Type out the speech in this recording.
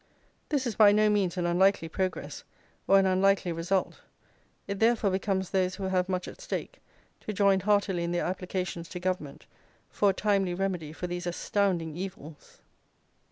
This is by no means an unlikely progress, or an unlikely result. It therefore becomes those who have much at stake, to join heartily in their applications to Government, for a timely remedy for these astounding evils.